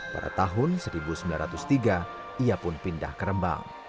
pada tahun seribu sembilan ratus tiga ia pun pindah ke rembang